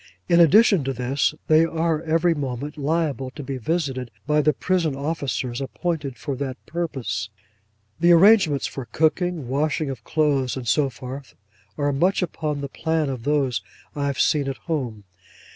In addition to this, they are every moment liable to be visited by the prison officers appointed for that purpose. The arrangements for cooking, washing of clothes, and so forth, are much upon the plan of those I have seen at home.